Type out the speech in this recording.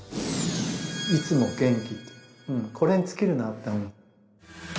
いつも元気っていうこれに尽きるなって思う。